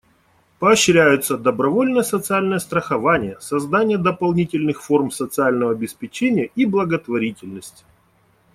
Поощряются добровольное социальное страхование, создание дополнительных форм социального обеспечения и благотворительность.